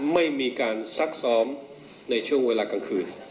ไม่มีการซักซ้อมในช่วงเวลากลางคืน